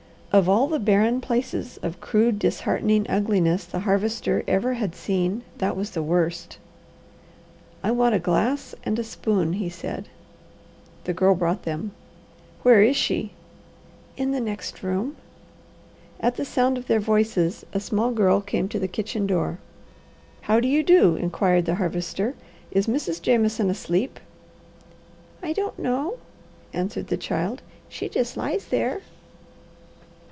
Of all the barren places of crude, disheartening ugliness the Harvester ever had seen, that was the worst. "I want a glass and a spoon," he said. The Girl brought them. "Where is she?" "In the next room." At the sound of their voices a small girl came to the kitchen door. "How do you do?" inquired the Harvester. "Is Mrs. Jameson asleep?" "I don't know," answered the child. "She just lies there."